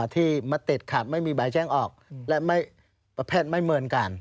ที่มาติดขัดไม่มีใบแจ้งออกและประเภทไม่เหมือนกัน